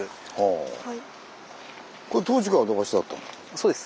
そうです。